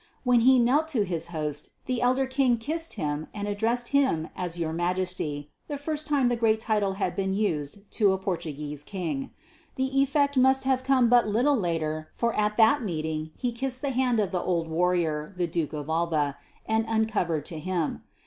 When he knelt to his host, the elder king kissed him and addressed him as "Your Majesty" the first time the great title had been used to a Portuguese king. The effect must have come but little later for at that meeting he kissed the hand of the old warrior, the Duke of Alva, and uncovered to him.